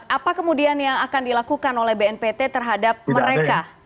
apa kemudian yang akan dilakukan oleh bnpt terhadap mereka